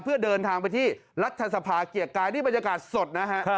เพื่อเดินทางไปที่รัฐสภาเกียรติกายนี่บรรยากาศสดนะฮะ